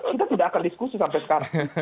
kita tidak akan diskusi sama sekali